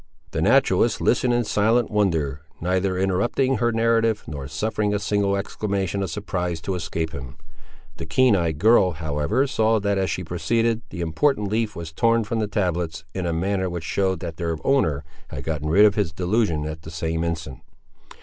The naturalist listened in silent wonder, neither interrupting her narrative nor suffering a single exclamation of surprise to escape him. The keen eyed girl, however, saw that as she proceeded, the important leaf was torn from the tablets, in a manner which showed that their owner had got rid of his delusion at the same instant.